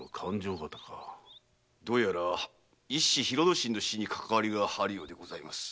どうやら一子・広之進の死にかかわりがあるようです。